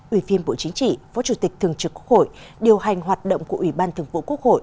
ủy viên bộ chính trị phó chủ tịch thường trực quốc hội điều hành hoạt động của ủy ban thường vụ quốc hội